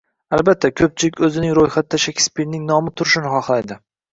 Albatta, ko‘pchilik o‘zining ro‘yxatida Shekspirning nomi turishini xohlaydi.